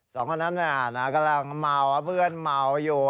สองคนนั้นน่ะน่ากำลังเมาอะเพื่อนเมาอยู่